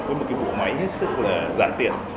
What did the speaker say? với một bộ máy hết sức giãn tiện